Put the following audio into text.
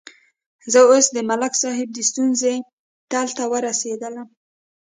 زه اوس د ملک صاحب د ستونزې تل ته ورسېدلم.